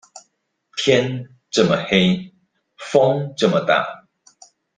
天這麼黑，風這麼大